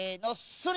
それ！